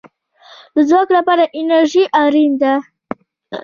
د ځواک لپاره انرژي اړین ده